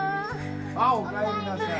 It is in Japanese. あっおかえりなさい。